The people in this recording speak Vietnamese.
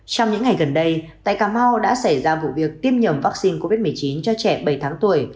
trong những ngày gần đây tại cà mau đã xảy ra vụ việc tiêm nhầm vaccine covid một mươi chín cho trẻ bảy tháng tuổi